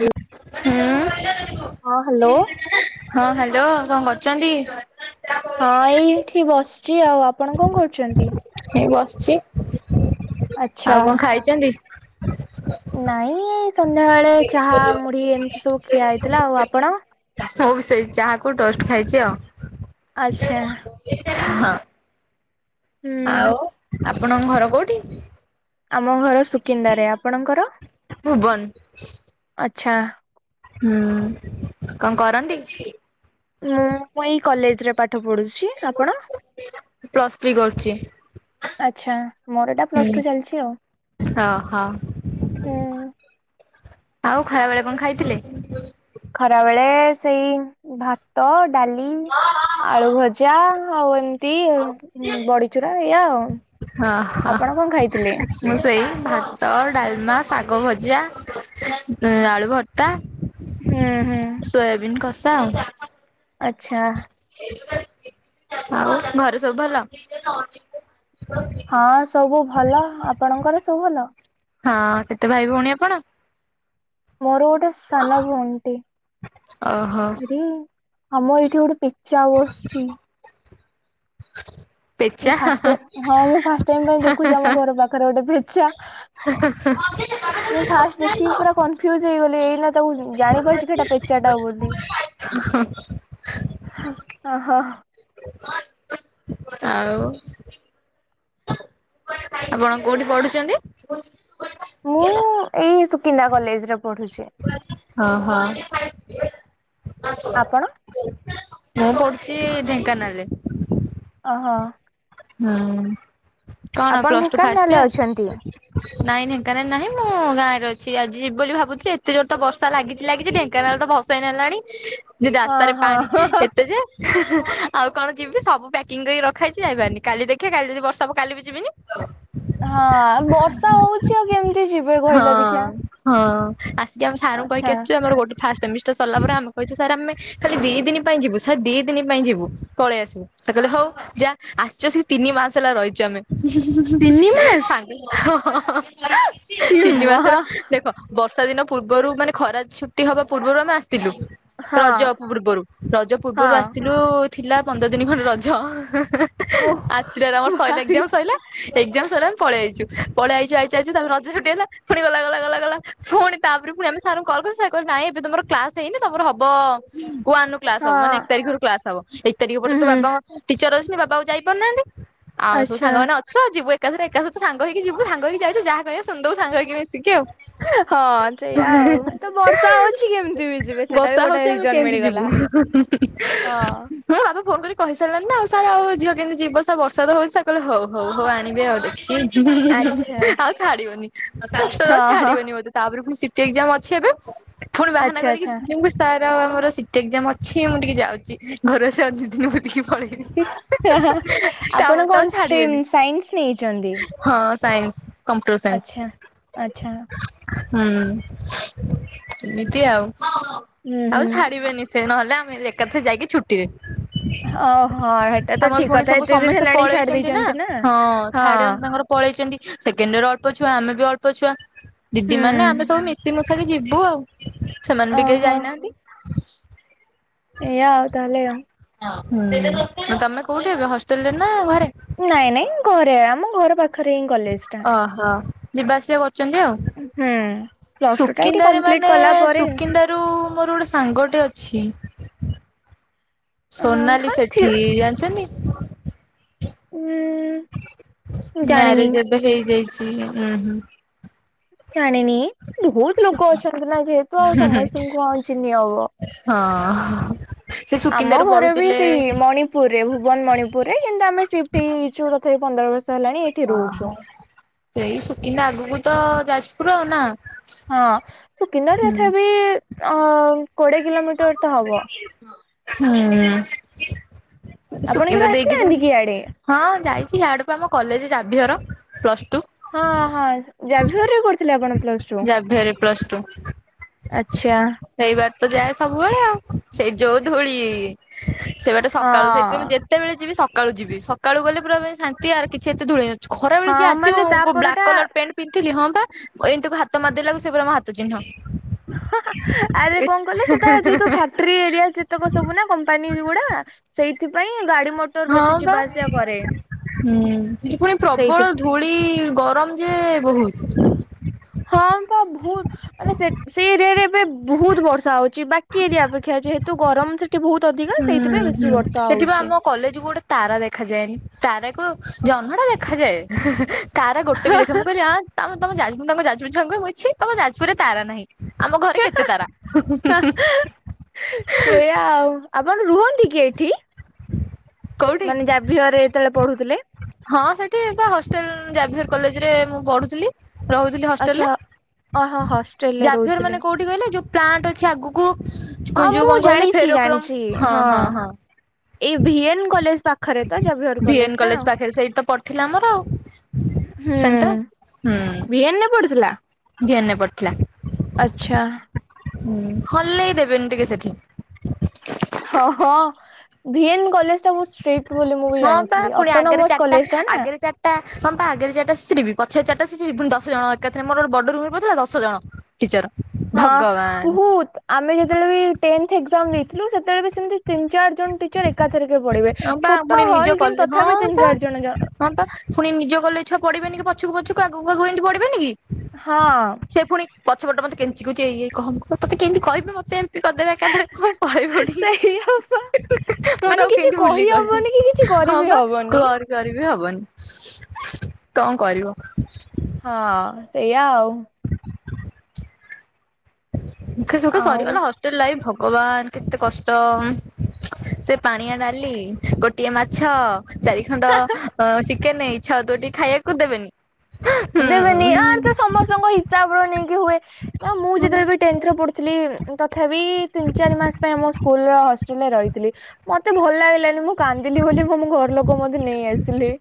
Hello ହଁ, ହଁ hello. Hello କଣ କରୁଚନ୍ତି। ହଁ, ଏଇଠି ବସ୍ଚି ଆଉ ଆପଣ କଣ କରୁଚନ୍ତି। ଏଇ ବସ୍ଚି। ଆଚ୍ଛା ନାଇଁ ସନ୍ଧ୍ୟାବେଳେ, ଚାହା, ମୁଢି, ଏମ୍ତି ସବୁ ଖିଆ ହେଇଥିଲା ଆଉ ଆପଣ। ମୁଁ ବି ସେଇ, ଚାହା କୁ ଟୋଷ୍ଟ ଖାଇଚି ଆଉ। ଆଚ୍ଛା ହୁଁ ଆଉ, ଆପଣଙ୍କ ଘର କୋଉଠି। ଆମ ଘର ସୁକିନ୍ଦା ରେ ଆପଣଙ୍କର ଭୁବନ ଆଚ୍ଛା। ହୁଁ କଣ କରନ୍ତି। ମୁଁ, ଏଇ କଲେଜ୍ରେ ପାଠ ପଢୁଚି ଆପଣ। ପ୍ଲସ ତ୍ରି କରୁଚି। ଆଚ୍ଛା ମୋର ଏଇଟା ପ୍ଲସ୍ ଟୁ ଚାଲିଛି ଆଉ। ଅହୋ ହୁଁ। ଆଉ ଖରା ବେଳେ କଣ ଖାଇଥିଲେ। ଖରା ବେଳେ ସେଇ, ଭାତ, ଡାଲି, ଆଳୁ ଭଜା। ଆଉ ଏମ୍ତି ବଡିଚୁରା ଏୟା ଆଉ। ହଁ, ହ, ଆପଣ କଣ ଖାଇଥିଲେ? ମୁଁ ସେଇ ଭାତ, ଡାଲ୍ମା, ଶାଗ ଭଜା। ଉଁ, ଆଳୁ ଭର୍ତା। ହଁ, ହଁ। ସୋୟାବିନ୍ କଷା ଆଉ। ଆଚ୍ଛା। ଆଉ ଘରେ ସବୁ ଭଲ। ହଁ ସବୁ ଭଲ। ଆପଣଙ୍କର ସବୁ ଭଲ। ହଁ, କେତେ ଭାଇ ଭଉଣୀ ଆପଣ। ମୋର, ଗୋଟେ ସାନ ଭଉଣୀ ଟେ। ଅହ। ଆମର, ଏଇଠି ଗୋଟେ ପେଚା ବସ୍ଚି। [inaudible] ମୁଁ ଫାଷ୍ଟ୍ ଟାଇମ୍, ହଁ ମୁଁ ଫାଷ୍ଟ୍ ଟାଇମ୍ ପାଇଁ ଦେଖୁଛି, ଆମ ଘର ପାଖରେ ଗୋଟେ ପେଚା। [unintelligible] ଫିୟୁଜ୍ ହେଇଗଲି ଏଇନା ତାକୁ ଜାଣିପାରୁଚିକି ଏଟା ପେ ଚାଟା ବୋଲି [inaudible] ଆଉ। ଆପଣ କୋଉଠି ପଢୁଚନ୍ତି। ମୁଁ ଏଇ ସୁକିନ୍ଦା କଲେଜ୍ ରେ ପଢୁଚି। ଅହ। ଆପଣ? ମୁଁ ପଡ୍ଚି ଢେଙ୍କାନାଳ୍ ରେ। ଅହ। ହୁଁ କଣ ଆପଣ ପ୍ଲସ୍ ଟୁ ଫାଷ୍ଟ୍ ଢେଙ୍କାନାଳରେ ୟର୍। ଅଛନ୍ତି? ନାଇଁ ଢେଙ୍କାନାଳ୍ ନାହିଁ ମୁଁ ଗାଁ ରେ ଅଛି ଆଜି ଯିବି ବୋଲି ଭାବୁଥିଲି ଏତେ ଯୋର୍ ତ ବର୍ଷା ଲାଗିଛି ଲାଗିଛି ଢେଙ୍କାନାଳ ତ ଭସେଇ ନେଲାଣି ଯେ ହଁ ରାସ୍ତାରେ ହଁ ପାଣି ଏତେ ଯେ। ଆଉ କଣ ଯିବି ସବୁ ପ୍ୟାକିଂ କରିକି ରଖା ହେଇଚି ଯାଇପାର୍ନି କାଲି ଦେଖିବା କାଲି ଯଦି ବର୍ଷା ହେବ କାଲି ବି ଯିବିନି। ହଁ ବର୍ଷା ହଉଛି ଆଉ କେମିତି ଯିବେ ହଁ କହିଲା ଦେଖିଆ। ହଁ ଆସିକି ଆମ ସାର୍ ଙ୍କୁ କହିକି ଆଚ୍ଛା। ଆସିୁଛ ଆମରୋଟେ ଫାଷ୍ଟ ସେମିଷ୍ଟର ସରିଲ ପରେ ଆମେ କହିଛୁ ସାର୍ ଆମେ ଖାଲି ଦି ଦିନ ପାଇଁ ଯିବୁ ସାର୍ ଦି ଦିନ ପାଇଁ ଯିବୁ ପଳେଇ ଆସିବୁ ସେ କହିଲେ ହଉ। ଯା ଆସିଚ ସେ ତିନି ମାସ ହେଲା ରହିଛୁ ଆମେ। ତିନି ମାସ ସାଙ୍ଗ ଏ ତିନି ମା ମାସରେ ଦେଖ ବର୍ଷା ଦିନ ପୂର୍ବରୁ ମାନେ ଖରା ଛୁଟି ହବା ପୂର୍ବରୁ ଆମେ ଆସିଥିଲୁ। ହଁ ରଜ ପୂର୍ବରୁ ରଜ ହଁ ପୂର୍ବରୁ ଆସିଥିଲୁ ଥିଲା ପନ୍ଦର ଦିନ ଖଣ୍ଡେ ରଜ। ଓ ଆସିଥିଲା ଆମର ଶରିଲ ଭାଇ ଏକ୍ଜାମ ଶରିଲା। ଏକ୍ଜାମ ସଇଲା ଆ ପଳେଇଆଛୁ ପଳେଇଆଇଛୁ ଆଇଚୁ ଆଇଛୁ ତାକୁ ରଜ ଛୁଟି ହେଲା ପୁଣି ଗଲା ଗଲା ଗଲାଗଲା ଫୁଣି ତାପରେ ପୁଣି ଆମେ ସାର ଙ୍କୁ କଲ କଲୁ ସାର୍ କଇଲେ ନାଇଁ ଏବେ ତମର କ୍ଲାସ ହେଇନି ତମର ହବ କୁ କ୍ଲାସ ହବ ହଁ ମାନେ ଏକ ତାରିଖରୁ କ୍ଲାସ ହବ ଏକ ତାରିଖ ପରେ ତ ଉହୁଁ ବାବାଙ୍କ ଟିଚର ଅଛନ୍ତି ବାବାକୁ ଯାଇପାରୁନାହାନ୍ତି। ଆଉମେ ସବୁ ଆଚ୍ଛା ସାଙ୍ଗ ଅ ଶୁଆ ଯିବୁ ଏକାଥରେ ଏକାଥରେ ତ ସାଙ୍ଗ ହେଇକି ଯିବୁ ସାଙ୍ଗ ହେଇକି ଯାଇଛୁ ଜାହା କହିବା ସୁୁନ୍ଦବୁ ସାଙ୍ଗ ହେଇକି ମିଶିକି ଆଉ। ହଁ। ସେଇୟା ଆଉ ତ ବର୍ଷା ହଉଛି କେମିତି ବି ଯିବେ ସେଟା ବର୍ଷା ବି ହଉଛି ଗୋଟେ ଆମେ ରିଜନ କେମିତି ଯିବୁ। ମିଳିଗଲା। ହଁ। ହଁ ବାପା ଫୋନ କରି କହି ସାରିଲାନି ନା ଆଉ ସାର୍ ଆଉ ଝିଅ କେମିତି ଯିବ ସାର୍ ବର୍ଷା ତ ହଉଛି ସାର୍ କହିଲେ ହଉ ହଉ ହଉ ଆଣିବେ ଆଉ ଦେଖି ଆଚ୍ଛା ଆଉ ଛାଡିବନି ଷ୍ଟର୍ ଆଉ ହଁ ହଁ ଛାଡିବନି ମତେ। ତାପରେ ପୁଣି ସିଟି ଏକ୍ଜାମ୍ ଅଛି ଏବେ ଫୁଣି ବାହାନା ଆଚ୍ଛା କରିକି ଆଚ୍ଛା। ସାର ଆମର ସିଟି ଏକ୍ଜାମ ଅଛି ମୁଁ ଟିକେ ଯାଉଛି ଘରେ ସେ ଅ ଦିନି ମୁ ଟିକେ ଆପଣ ତାପରେ ତ ଆଉ କଣ ଷ୍ଟ୍ରିମ୍ ଛାଡିବେନି ସାଇନ୍ସ ନେଇଛନ୍ତି? ହଁ ସାଇନ୍ସ କମ୍ପୁଟର ସାଇନ୍ସ। ଆଚ୍ଛା। ଆଚ୍ଛା ହୁଁ ଏମିତି ଆଉ ହୁଁ ଆଉ ହୁଁ। ଛାଡିବେନି ସେଇ ନହେଲେ ଆମେ ଏକାଥରେ ଯାଇକି ଛୁଟିରେ। ଓହୋ ହେଟା ତ ଆମର ଠିକ ଭୁଣି କଥା ସବୁ ଏତେ ଦିନ ସମସ୍ତେ ହେଲାଣି ଛାଡି ପଳେଇଛନ୍ତି ନା ଦେଇଛନ୍ତି ହଁ ଥାଡିଆ ହଁ ତାଙ୍କର ପଳେଇଛନ୍ତି ସେକେଣ୍ଡ ରେ ଅଳ୍ପଛୁଆ ଆମେ ବି ଅଳ୍ପ ଛୁଆ। ଦିଦି ହୁଁ ମାନେ ଆମେ ସବୁ ମିଶି ମଶାକି ଯିବୁ ଆଉ ସେମାନେ ବି କେହି ଯାଇନାହାନ୍ତି। [inaudible] ଏଆ ଆଉ ତାହେଲେ ଆଉ। ତମେ କୋଉଠି ଏବେ ହଷ୍ଟେଲ ରେ ନା ଘରେ? ନାଇଁ ନାଇଁ ଘରେ ଆମ ଘର ପାଖରେ ହିଁ କଲେଜ ଟା। ଓହୋ ଯିବା ଆସିବା କରୁଛନ୍ତି ହୁଁ। ଆଉ। ପ୍ଲସ ଟୁ ଟା ଏଇଠି ସୁକିନ୍ଦାରେ କମ୍ପ୍ଲିଟ ମାନେ କଲା ପରେ ସୁକିନ୍ଦାର ରୁ ମୋର ଗୋଟେ ସାଙ୍ଗଟେ ଅଛି। ଅ ସୋନାଲି ହଁ ଥି ସେଠି ଜାଣିଛନ୍ତି। ହୁଁ। ମ୍ୟାରେଜ ଏବେ ହେଇଯାଇଛି ଉଁ ହଁ। ଜାଣିନି ବହୁତ ଲୋକ ଅଛନ୍ତି ନା ଯେହେତୁ ଆଉ ସମସ୍ତଙ୍କୁ ଆ ଚିନି ହବ। ହଁ। ସେ ଆମ ସୁକିନ୍ଦାରୁ ଘରେ ବି ପଢୁଥିଲେ ସେଇ ମଣି ପୁରୀରେ ଭୁବନ ମଣିପୁରରେ କିନ୍ତୁ ଆମେ ସି୍ପ୍ଟ ହେଇଛୁ ତଥାପି ପନ୍ଦର ବର୍ଷ ହେଲାଣି ଏଠି ରହୁଛୁ। ଓହୋ ସେଇ ସୁକିନ୍ଦା ଆଗକୁ ତ ଯାଜପୁର ଆଉ ନା। ହଁ ସୁକନର ହୁଁ। ରେଖା ବି ଅ କୋଡିଏ କିଲୋମିଟର ତ ହବ। ହୁଁ ଆପଣ କେବେ ସୁକିନ୍ଦା ଦେଇକି ତ ଆସିନାହାନ୍ତି କି ଇଆଡେ? ହଁ ଯାଇଛି ଇଆଡକୁ ଆମ କଲେଜ ଯାବିହର ପ୍ଲସ ଟୁ। ହଁ ହଁ ଜାଭିୟର ରେ କରୁଥିଲେ ଆପଣ। ପ୍ଲସ ଜାଭିୟର ରେ ପ୍ଲସ ଟୁ। ଆଛା। ସେଇ ବାର ତ ଯାଏ ସବୁବେଳେ ଆଉ ସେଇ ଯୋଉ ଧୂଳି। ସେ ବାଟା ସକାଳୁ ସେଇଥିପାଇଁ ଆମ ହଁ। ଯେତ ତେବେଳେ ଯିବି ସକାଳୁ ଯିବି ସକାଳୁ ଗଲେ ପୁରା ଶାନ୍ତି ଆ କିଛି ଏତେ ଧୂଳେଇନ ଖରା ବେଳେ ଯିଏ ହଁ ମାନେ ତା ଆସିବ ବ୍ଲାକ୍ ପରଟା କଲର ପ୍ୟାଣ୍ଟ। ପିନ୍ଧଥିଲି ହଁ ବା ଏମିତିକୁ ହାତ ମାରଦେଲାକୁ ସେପ ଆମ ହାତ ଚିହ୍ନ। ଆରେ ଏ କଣ କଲେ ସେଟା ଯେହତୁ ଫ। ଟ୍ରି ଏରିଆ ଯେତକ ସବୁ ନା କମ୍ପାନୀ ଗୁଡା ସେଇଥିପାଇଁ ଗାଡି ମଟ। ହଁ ବା ହଁ ସେ ପୁଣି ସେଇଠି ପ୍ରବଳ ଧୂଳି। ଗରମ ଯେ ବହୁତ। ହଁ ତ ବହୁତ। ମାନେ ସେଇ ଏରିଆରେ ଏବେ ବହୁତ ବର୍ଷା ହଉଛି ବାକି ଏରିଆ ଅପେକ୍ଷା ଅଛି ଯେତୁ ଗରମ ସେ ବହୁତ ଅଧିକା ସେଇଥିପାଇଁ ବେଶୀ ବର୍ଷା ହଉଛି। କଲେଜ କୁ ଗୋଟେ ତାରା ଦେଖାଯାଏନି ତାରାକୁ ଜହ୍ନ ଟା ଦେଖାଯାଏ। ତାରା ଗୋଟେ ବି ଦେଖା ମୁ କହିଲିବା ତମ ତମ ଯାପୁର ତା ଯାଜପୁର ରେଛି ତମାପୁରରେ ତାର ନାହିଁ। ଆମ ଘରେ କେତେ ତାରା ସେଇଆ ଆଉ ଆପଣ ରୁହନ୍ତି କି ଏଇଠି? ହୁଁ। ମାନେ ଜାଭିୟରେ ଯେତେବେଳେ ପଢୁଥିଲେ। ହଁ ସେଠି ବା ହଷ୍ଟେଲ ଜାଭିର କଲେଜ ରେ ମୁଁ ପଢୁଥିଲି। ରହୁଥିଲି ଆଚ୍ଛା ଓହୋ ହଷ୍ଟେଲରେ ହଷ୍ଟେଲରେ ଜାଭିଅର ମାନେ ରହୁଥିଲେ। କୋଉଠି। କହିଲେ ଯୋଉ ପ୍ଲାଣ୍ଟ ଅଛି ଆଗକୁ ହଁ ଯଉ ମୁଁ କଣ କହିଲେ ଜାଣିଛି ଫେରୋକୋମ ଜାଣିଛି ହଁ ହଁ ହଁ। ଏଇ ଭିଏନ୍ କଲେଜ ପାଖରେ ତ ଜାଭିୟର ଭି ଏନ ଟା। କଲେଜ ପାଖରେ ସେଇଠି ତ ପଢିଥିଲା ଆମର ଆଉ। ସେଣ୍ଟର୍। ହୁଁ। ଭି ଏନ୍ ପଡୁଥିଲା। ଭି ଏନ ରେ ପଡିଥିଲା। ଆଛା। ହୁଁ ହଲେଇ ଦେବେନି ଟିକେ ସେଠି। ହଁ ହଁ ଭି ଏନ୍ କଲେଜ ଟା ବହୁତ୍ ଷ୍ଟିଟ। ବୋଲି ମୁଁ ବି ହଁ ଜାଣିଥିଲି ଅଟୋନୋମସ କଲେଜ ଟା ନା। ମପା ଆଗରେ ଚିଟା ଶିିବ ପଛ ଚାରିଟାିିବ ପୁଣି ଦଶଣ ଏକା ରେ ମୋର ଗୋଟ ବଡ ରୁମ ରେ ପଥିଲା ଦଶ ଜଣ। ଟିଚର ହଁ। ଭଗବାନ। ବହୁତ ଆମେ ଯେତେବେଳେ ବି ଟେନ୍ଥ ଦେଇଥିଲୁ ସେତେବେଳେ ବି ସେମତି। ତିନି ଚାରି ଜଣ ଟିଚର ଏକାଥର କେ ପଢିବେ ହଁ ବା ଛୋଟ ପୁଣି ନିଜ ହଲ୍ କିନ୍ତୁ କଲେ ହଁ ତଥାପି ତିନି ତ ଚାରି ଜଣ। ହଁ ବା ପୁଣି ନିଜ ଗଲେ ଛୁଆ ପଢିବେନି କି ପଛକୁ ପଛକୁ ଆଗକୁଗକୁ ଏମି ପଢିବେନି କି। ହଁ। ସେ ପୁଣି ପଛପଟ ମତେ କେମିତି କିଛି ଏଇଯାଇ କହନ୍ତୁ ମୋତେ କେମିତି କହିବି ମତେ। [unintelligible] ଏକାଧରେ ପଳେଇ ପନି। ସେଇଆ ପା ମୁଁ ମାନେ ତାକୁ କିଛି କେମିତି ବୁଲି କହିହବନି କି କିଛି କହିବି ହଁ କରିବି ବା ହବନି। ଘ। କରିବି ହବନି କଣ କରିବ? ହ। ହଁ ସେୟା ଆଉ। ହ। ଖେ ସୁଖେ ଆଉ ସରିଗଲା ହଷ୍ଟେଲ ଲାଇଫ ଭଗବାନ କେତେ କଷ୍ଟ। ସେ ପାଣିଆ ଡାଲି ଗୋଟିଏ ମାଛ। ଚାରି ଖଣ୍ଡ ଚିକେନ ଇ୍ଛା ହଉ ତୁ ଟିକେ ଖାଇବାକୁ ଦେବେନି। ଦେବେନି ଆର୍ ତ ହୁଁ। ସମସ୍ତଙ୍କ ହିସାବ ର ନେଇକି ହୁଏ ଆଉ ମୁଁ ହଁ ଯେତେବେଳେ ବି। ଟେନ୍ଥରେ ପଢ଼ୁଥିଲି ତଥାପି ତିନି ଚାରି ମାସ ପାଇଁ ଆମ ସ୍କୁଲ ହଷ୍ଟେଲରେ ରହିଥିଲି। ମତେ ଭଲ ଲାଗିଲାନି ମୁଁ କାନ୍ଦିଲି ବୋଲି ମୁ ଘର ଲୋକ ମତେ ନେଇ ଆସିଲି।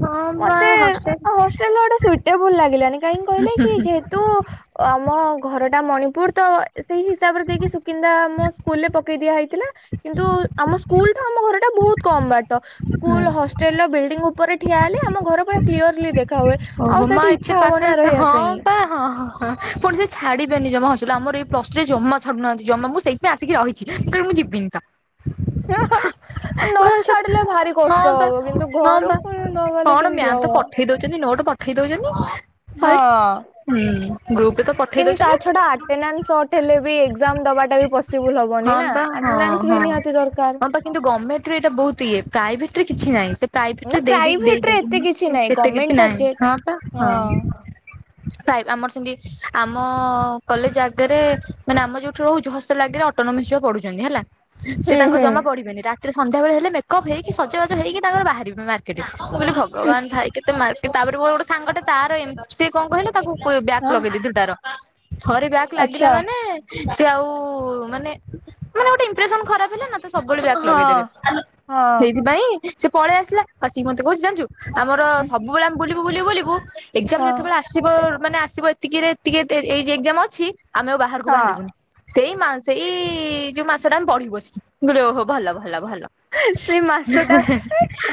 ହଁ ବା ମତେ ହଷ୍ଟେଲ ହେଲ ଗୋଟେବଲ ଲାଗିଲାନି କାହିଁକି କହିଲେ କି ଯେହେତୁ ଆମ ଘରଟା ମଣିପୁର ତ ସେଇ ହିସାବରେ ଦେଇକି ସୁକିନ୍ଦା ମମ ସ୍କୁଲରେ ପକେଇ ଦିଆ ହେଇଥିଲା। କିନ୍ତୁ ଆମ ସ୍କୁଲଠୁ ଆମ ଘରଟା ବହୁତ କମ ବାଟ ହୁଁ ସ୍କୁଲ ବଡିଙ୍ଗ ଉପରେ ଠିଆ ହେଲେ ଆମ ଘର ପୁରା କ୍ୟରଲି ଦେଖା ହୁଏ। ଆଉ ମୋ ସେଠି ଏତେ ଇଚ୍ଛା ହବ ନା ପାଖରେ ରହିବା ହଁ ପାଇଁ। ତ ହଁ। ହଁ ପୁଣି ସେ ଛାଡିବେନି ଜମା ହରସୁଲ ଆମର ଏଇ ପ୍ଲସ ଥ୍ରୀ ଜମା ଛାଡୁନାହାନ୍ତି ଜମା ମୁଁ ସେଇଥିପାଇ ଆସିକି ରହି [unintelligible] ଯିବିନି ତ। [unintelligible] ଆ ହଁ ନଛାଡିଲେ ଭାରି କଷ୍ଟ ବା ହବ କିନ୍ତୁ ହଁ ଘରୁ ପୁଣି ନ ଗଲେ କେମିତି ହବ? ଚନ୍ତି ନୋଟ୍ ପଠେଇ ଦଉଛନ୍ତି୍ ହଁ। ସରି--ହୁଁ, ଗ୍ରୁପରେ ତ ପଠେଇ କିନ୍ତୁ ତା ଦଉଛନ୍ତି ଛଡା ଆଟେନାସ୍ [unintelligible] ହେଲେ ବି ଏକ୍ଜାମ ଦବାଟା ବି ପସିବୁଲ ହବନି ହଁ ନା। ବା ହଁ [unintelligible] ବି ହଁ। ନିହାତି ଦରକାର। ହଁ ପା କିନ୍ତୁ ଗର୍ଣ୍ଣମେଣ୍ଟ ଏଇଟା ବହୁତ ଇ ପ୍ରାଇଭେଟରେ କିଛି ନାହିଁ ସେ ପ୍ରାଇଭେଟ ରେ ନା ଦେଇ ପ୍ରାଇଭେଟ ରେ ଦେଇଦେବି ଏତେ କିଛି ନାହିଁ ଏତେ କିଛି ଗମେଣ୍ଟ ଟା ନାହିଁ ଯେ ହଁ ପା ହଁ ନାଇଁ ଆମର ସେମତି ଆମ କଲେଜ ଆଗରେ ମାନେ ଆମ ଯୋଉଠୁ ରହୁଚୁ ହଷ୍ଟେଲ ଆଗରେ ଅ [unintelligible] ପଢୁଛନ୍ତି ହେଲା। ସେ ହୁଁ ତାଙ୍କର ହୁଁ ଜମା ପଢିବେନି ରାତିରେ ସନ୍ଧ୍ୟାବେଳେ ହେଲେ ମେକଅପ୍ ହେଇକି ସଜବାଜ ହେଇକି ତାଙ୍କର ବାହାରିବେ ମାନେ ମୁଁ ବୋଲି ଭଗବାନ ଇସ୍ ଭାଇ କେତେ [unintelligible] ତାପରେ ମୋର ଗୋଟେ ସାଙ୍ଗଟେ ତାର ଏମ୍ ସିଏ କଣ କହିଲ? ତାକୁ ବ୍ୟାକ୍ ହଁ ଲଗେଇଦିଥିଲୁ ତାର। ଥରେ ବ୍ୟାକ ଲାଗିଲା ଆଚ୍ଛା ମାନେ ସେ ଆଉ ମାନେ ମାନେ ଗୋଟେ ଇମ୍ପ୍ରେସନ ଖରାପ ହେଲା ନା ତ ସବୁବେଳେ ବ୍ୟାଗ ହଁ। ଲଗେଇଦେବେ ହଁ ସେଇଥିପାଇଁ ସେ ପଳେଇ ଆସିଲା ଆସି ମତେ କହୁଚି ଜାଣିଛୁ? ଆମର ହଁ ସବୁବେଳେ ଆମେ ବୁଲିବୁ ବୁଲିବୁ ବୁଲିବୁ ଏଜାମ ଯେତେବେଳେ ଆସି ଆସିବ ମାନେ ଆସିବ ଏତିକିରେ ଏତିକି ଏଇ ଏକ୍ଜାମ ଅଛି ଆମେ ଆଉ ବାହାରକୁ ହଁ ବାହାରିବୁନି। ସେଇ ମା ସେଇ ଯୋଉ ମାସ ଟା ଆମେ ପଢିବୁ ବସିକି, ମୁଁ କହିଲି ଓହୋ ଭଲ ଭଲ ଭଲ। ସେଇ ମାସ ଟା,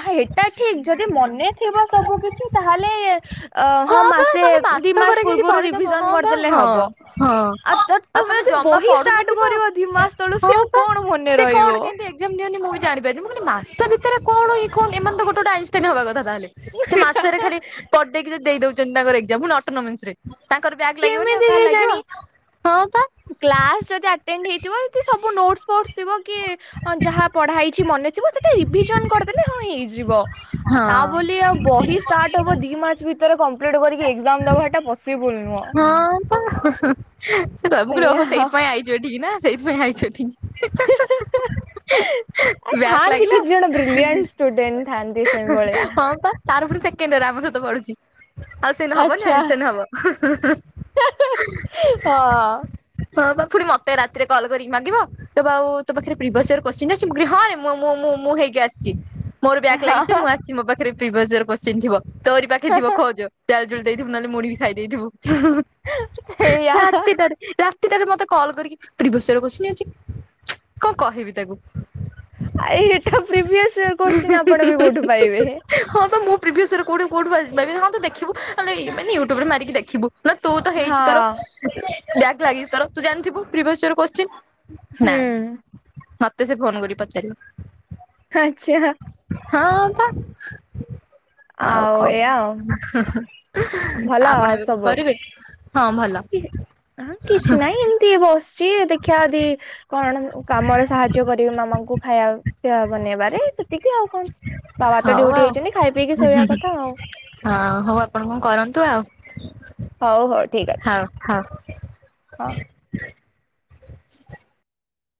ସେଇଟା ଠିକ ଯଦି ମନେ ଥିବ ସବୁ କିଛି ତାହେଲେ ଅ ହଁ ବା ମାସେ ନହେଲେ ଦି ମାସକରେ ମାସ କେମିତି ପୂର୍ବରୁ ପଢିଦବ ହଁ ରିଭିଜନ ବା କରିଦେଲେ ହଁ ହବ। ହଁ ଆଉ ତ ତମେ ଯଦି ବହି ଷ୍ଟାର୍ଟ କରିବ ଦି ମାସ ତଳୁ ସିଏ ଆଉ କଣ ମନେ ରହିବ। କେମିନ୍ତି ମୁଁ ବି ଜାଣିପାରିନି ମୁଁ ମାନେ ମାସ ଭିତରେ କଣଇ ଇଏ କଣ ଏମାନେ ତ ଗୋଟ ଗୋଟେ ଆଇନଷ୍ଟାଇନ ହେବା କଥା ତାହଲେ। ସେ ମାସରେ ଖାଲି ପଢଦେଇକି ଯ ଦେଇ ଦଉଛନ୍ତି ତାଙ୍କର ଏଜାମ ଫୁଣି ଅଟୋନୋମେନସ ରେ। ତାଙ୍କର ବ୍ୟାଗ ଲାଗିବନି ଆଉ କେମିତି କାହା ଲାଗିବ। କେଜାଣି [unintelligible] କ୍ଲାସ ଯଦି ଆଟେଣ୍ଡ ହେଇଥିବ କି ସବୁ ନୋଟ ଫୋଟ ଥିବ କି ଯାହା ପଢା ମନେ ଥିବ ସେଟା ରିଭିଜନ କରିଦେଲେ ହଁ ହେଇଯିବ। ତା ବୋଲି ଆଉ ବହି ଷ୍ଟାର୍ଟ ହବ ଦି ମାସ ଭିତରେ କମ୍ପ୍ଲିଟ୍ କରିକି ଏକ୍ସାମ ଦେବାଟା ପସିବୁଲ୍ ନୁହଁ। ହଁ ତ ସେ ସେଇଆ [unintelligible] ସେଇଥିପାଇଁ ଆଇଛୁ ଏଠିକି ନା ସେଇଥିପାଇଁ ଆଇଛୁ ଏଠିକି। ଆଉ [inaudible] ବ୍ୟାକ୍ ଥାଆନ୍ତି ଲାଗିଲା? କିଛି ଜଣ ହଁ ବ୍ରିଲିଆଣ୍ଟ ଷ୍ଟୁଡେଣ୍ଟ ଥାଆନ୍ତି ସେଇଭଳିଆ। ପା। ତାର ପୁଣି ସେକେଣ୍ଡରେ ଆମ ସହିତ ପଢୁଛି ଆଉ ସେନ ହବନି ଆଚ୍ଛା [unintelligible] ହଁ ହଁ ବା ପୁଣି ମତେ ରାତିରେ କଲ୍ କରିକି ମାଗିବ। ତ ଆଉ ତୋ ପାଖରେ ପ୍ରିିବେଶ ଇୟର କ ହଁରେ ମୁଁ ମୁଁ ମୁଁ ମୁଁ ହେଇକି ଆସିଛି। ମୋର ବ୍ୟାଗ ଲାଗିଛି ହଁ। ମୁଁ ଆସିଛି ମୋ ପାଖରେ [unintelligible] ଥିବ। ତୋରି ପାଖରେ ଥିବ ଖୋଜ। ଜାଲ ଜୋଲ ଦେଇଥିବୁ ନହେଲେ ମୁଣି ବି ଖାଇ ଦେଇଥିବୁ ସେଇଆ ରାତି ତାର ରାତିଟାରେ ମତେ କଲ୍ କରିକି [unintelligible] ଅଛି, [unintelligible] କଣ କହିବି ତାକୁ। ଏଇଟା ପ୍ରିଭିୟସ ଇୟର ହୁଁ କୋଶ୍ଚିନ୍ ଆପଣ ହୁଁ ବି କୋଉଠୁ ପାଇବେ। ହୁଁ ହଁ ତ ମୁଁ ପ୍ରିଭିୟସରେ କେଉଁଠୁ କେଉଁଠୁ [unintelligible] ଦେଖିବୁେ ମାନ ୟୁଟ୍ୟୁବରେ ମାରିକି ଦେଖିବୁ। ନା ତୁ ତ ହେଇଚୁ ତୋର, ହଁ। ବ୍ୟାକ ଲାଗିଚି ତୋର ତୁ ଜାଣିଥିବୁ, [unintelligible] ନାଇଁ ହୁଁ ମତେ ସେ ଫୋନ କରି ପଚାରିବ। ଆଚ୍ଛା। ହଁ ବା ଆଉ କଣ। ଏଇଆ ଆଉ ଓହୋ ଭଲ ଆପଣ ଆଉ ଏବେ କଣ ସବୁ। କରିବେ? ହଁ ଭଲ ହଁ କିଛି ନହିଁ ଏମିତି ଏବେ ବସିଛି ଦେଖିବା ଯଦି କଣ କାମରେ ସାହାଯ୍ୟ କରିବି ମାମାଙ୍କୁ ଖାଇବା ପିଇବା ବନେଇବାରେ ସେତିକି ଆଉ କଣ। ବାବା ତ ହଉ ଡୁଟି ଆଉ ଯାଇଛନ୍ତି, ଖାଇ ପିଇକି ଶୋଇବା କଥା ଆଉ। ହଁ ହଉ ଆପଣ କଣ କରନ୍ତୁ ଆଉ। ହଉ ହଉ ଠିକ୍ ଅଛି। ହଁ। ହଁ।